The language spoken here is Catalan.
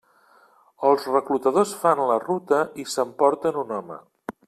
Els reclutadors fan la ruta i s'emporten un home.